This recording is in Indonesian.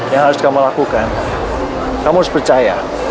yang harus kamu lakukan kamu harus percaya